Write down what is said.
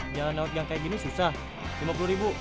jalan laut yang kayak gini susah lima puluh ribu